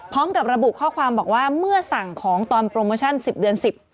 พร้อมกับระบุข้อความบอกว่าเมื่อสั่งของตอนโปรโมชั่น๑๐เดือน๑๐